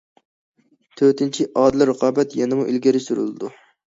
تۆتىنچى، ئادىل رىقابەت يەنىمۇ ئىلگىرى سۈرۈلىدۇ.